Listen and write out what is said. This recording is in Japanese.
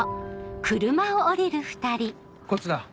こっちだ。